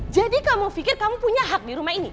jadi kamu pikir kamu punya hak di rumah ini